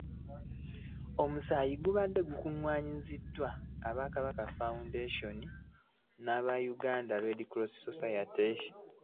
Omusaayi gubadde gukungaanyizibwa aba Kabaka Foundation n'aba Uganda Red cross Society.